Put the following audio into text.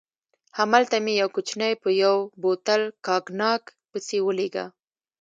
هملته مې یو کوچنی په یو بوتل کاګناک پسې ولېږه.